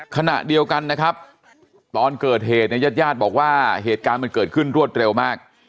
ขณะเดียวกันนะครับตอนเกิดเหตุเนี่ยญาติญาติบอกว่าเหตุการณ์มันเกิดขึ้นรวดเร็วมาก